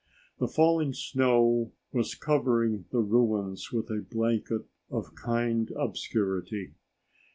The falling snow was covering the ruins with a blanket of kind obscurity.